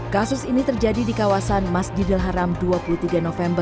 kasus ini terjadi di kawasan masjidil haram dua puluh jawa tenggara indonesia